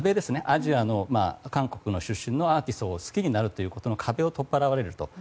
アジア、韓国出身のアーティストを好きになることの壁が取っ払われると。